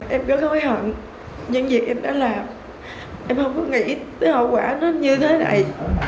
em rất hối hận những việc em đã làm em không có nghĩ tới hậu quả nó như thế này